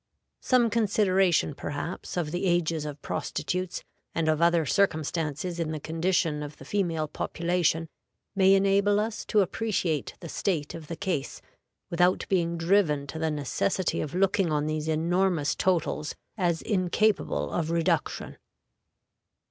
Some consideration, perhaps, of the ages of prostitutes, and of other circumstances in the condition of the female population, may enable us to appreciate the state of the case without being driven to the necessity of looking on these enormous totals as incapable of reduction.